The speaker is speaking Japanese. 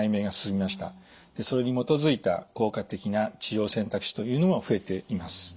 それに基づいた効果的な治療選択肢というのも増えています。